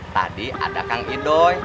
tadi ada kang idoi